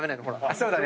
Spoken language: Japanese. そうだね。